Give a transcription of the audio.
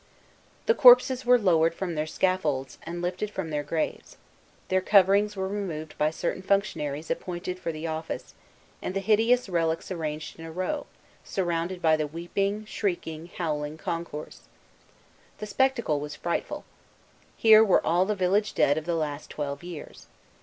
The corpses were lowered from their scaffolds, and lifted from their graves. Their coverings were removed by certain functionaries appointed for the office, and the hideous relics arranged in a row, surrounded by the weeping, shrieking, howling concourse. The spectacle was frightful. Here were all the village dead of the last twelve years.